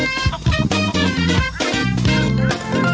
สวัสดีค่ะ